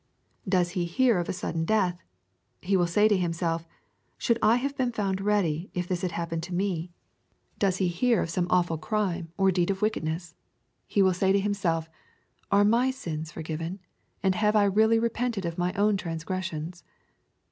Does he hear of a sudden death ? He will. say to himself, "Should I have been found ready, ii this had happened to me ?"— Does he hear of some LUKE, :hap. xiil 10& awful crime, or deed of wickedness ? He will say to oimself, "Are my sins forgiven ? and have I really re pented of my own transgressions